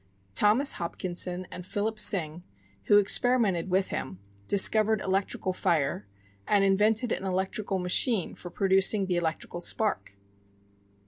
Thomas Hopkinson and Philip Syng, who experimented with him, discovered electrical fire, and invented an electrical machine for producing the electrical spark.